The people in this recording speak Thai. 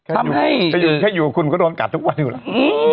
ทำให้แค่อยู่กับคุณก็โดนกัดทุกวันอยู่แล้ว